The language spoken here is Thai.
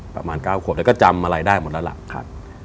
ประมาณ๙ขวบแล้วก็จำอะไรได้หมดแล้วล่ะครับ